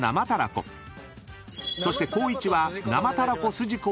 ［そして光一は］